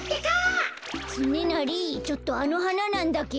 つねなりちょっとあのはななんだけど。